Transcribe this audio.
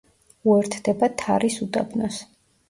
უერთდება თარის უდაბნოს.